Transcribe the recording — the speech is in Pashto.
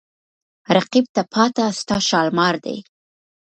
رقیب ته پاته ستا شالمار دی